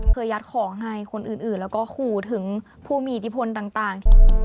ยัดของให้คนอื่นแล้วก็ขู่ถึงผู้มีอิทธิพลต่าง